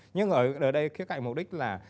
nhưng ở đây kế cạnh mục đích là